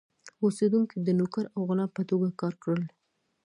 اوسېدونکي د نوکر او غلام په توګه کار کړل.